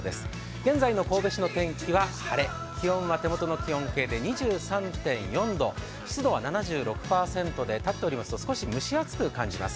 現在の神戸市の天気は晴れ気温は手元の気温計で２３．４度、湿度は７６％で、立っておりますと、少し蒸し暑く感じます。